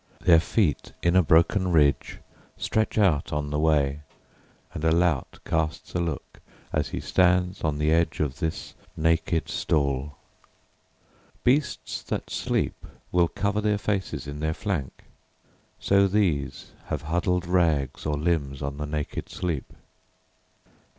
Their feet, in a broken ridgeStretch out on the way, and a lout castsA look as he stands on the edge of this naked stall. Beasts that sleep will coverTheir faces in their flank; so theseHave huddled rags or limbs on the naked sleep.